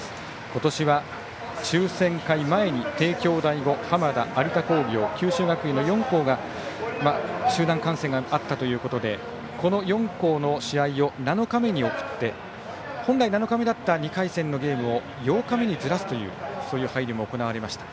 今年は抽選会前に帝京第五、浜田有田工業、九州学院の４校が集団感染があったということでこの４校の試合を７日目に送って本来７日目だった２回戦のゲームを８日目にずらすという配慮も行われました。